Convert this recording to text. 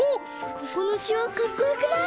ここのしわかっこよくない？